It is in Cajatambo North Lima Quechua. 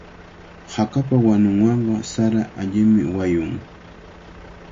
Hakapa wanunwanqa sara allimi wayun.